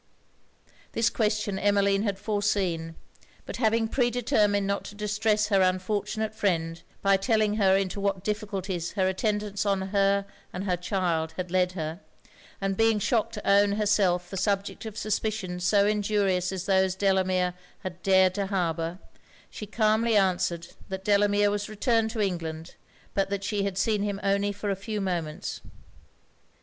This question Emmeline had foreseen: but having predetermined not to distress her unfortunate friend, by telling her into what difficulties her attendance on her and her child had led her, and being shocked to own herself the subject of suspicions so injurious as those Delamere had dared to harbour, she calmly answered that Delamere was returned to England, but that she had seen him only for a few moments.